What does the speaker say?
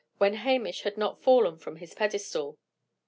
when Hamish had not fallen from his pedestal.